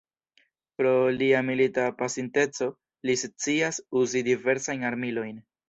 Pro lia milita pasinteco, li scias uzi diversajn armilojn.